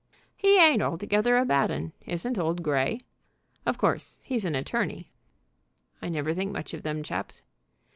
"He ain't altogether a bad un isn't old Grey. Of course he's an attorney." "I never think much of them chaps."